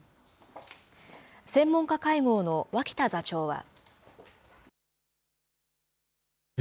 専門家会合の脇田座長は。